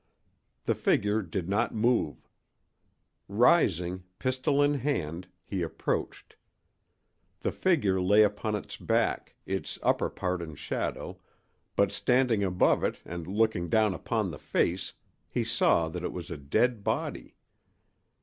The figure did not move. Rising, pistol in hand, he approached. The figure lay upon its back, its upper part in shadow, but standing above it and looking down upon the face, he saw that it was a dead body.